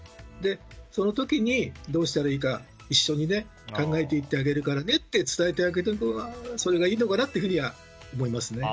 その時にどうしたらいいか一緒に考えていってあげるからと伝えてあげたほうがそれがいいのかなと思いますね。